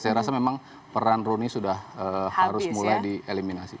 saya rasa memang peran rooney sudah harus mulai di eliminasi